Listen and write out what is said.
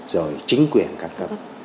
rồi chính quyền các cấp